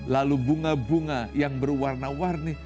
lalu bunga bunga yang berwarna warni